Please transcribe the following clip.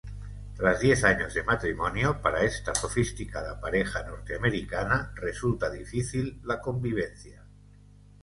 Tras diez años de matrimonio, para esta sofisticada pareja norteamericana resulta difícil la convivencia.